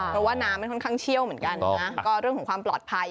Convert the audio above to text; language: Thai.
เพราะว่าน้ำมันค่อนข้างเชี่ยวเหมือนกันนะก็เรื่องของความปลอดภัย